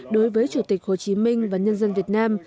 đối với chủ tịch hồ chí minh và nhân dân việt nam